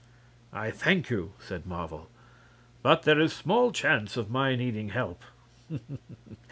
"I thank you," said Marvel, "but there is small chance of my needing help.